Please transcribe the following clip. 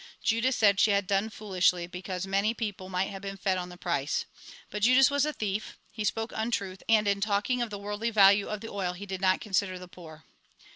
Judas said she had done foolishly, because many people might have been fed on the price. But Judas was a thief ; he spoke untruth, and in talking of the worldly value of the oil, he did not consider the poor.